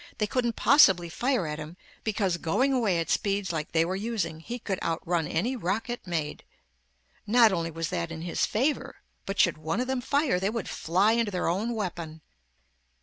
They couldn't possibly fire at him, because going away at speeds like they were using, he could outrun any rocket made. Not only was that in his favor, but should one of them fire, they would fly into their own weapon.